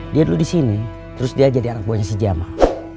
dia dulu di sini terus dia jadi anak buahnya sejamah